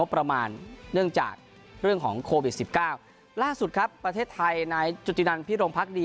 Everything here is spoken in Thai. ประมาณเนื่องจากเรื่องของโควิดสิบเก้าล่าสุดครับประเทศไทยนายจุธินันพิรมพักดี